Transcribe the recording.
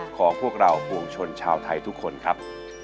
พวกเราปวงชนชาวไทยทุกคนครับ